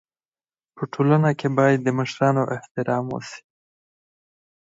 په ټولنه کي بايد د مشرانو احترام وسي.